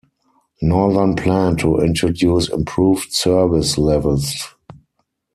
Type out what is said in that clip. Northern plan to introduce improved service levels.